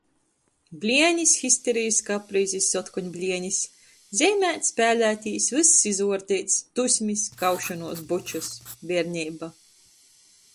Blienis, histerejis, kaprizis, otkon blienis. Zeimēt, spēlētīs, vyss izuordeits, dusmis, kaušonuos, bučys. Bierneiba.